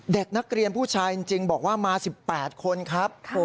เด็กนักเรียนผู้ชายจริงบอกว่ามา๑๘คนครับ